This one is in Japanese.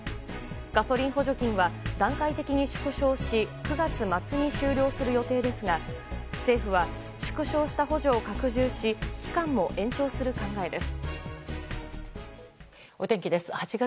ガソリン補助金は段階的に縮小し９月末に終了する予定ですが政府は、縮小した補助を拡充し期間も延長する構えです。